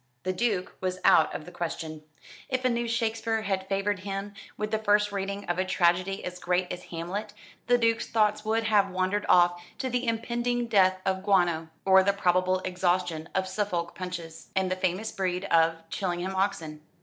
The Duke was out of the question. If a new Shakespeare had favoured him with the first reading of a tragedy as great as "Hamlet," the Duke's thoughts would have wandered off to the impending dearth of guano, or the probable exhaustion of Suffolk punches, and the famous breed of Chillingham oxen.